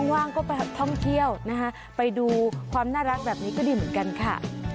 ว่างก็ไปท่องเที่ยวนะคะไปดูความน่ารักแบบนี้ก็ดีเหมือนกันค่ะ